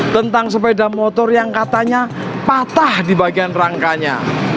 tentang sepeda motor yang katanya patah di bagian rangkanya